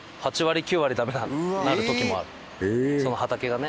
その畑がね。